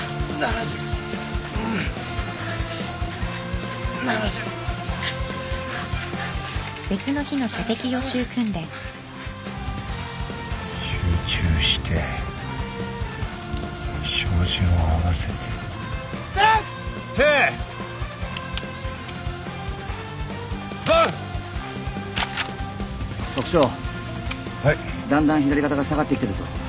だんだん左肩が下がってきてるぞ。